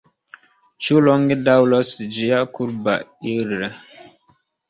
Ĉu longe daŭros ĝia kurba ir’?